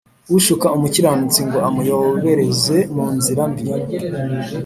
ushuka umukiranutsi ngo amuyobereze mu nzira mbi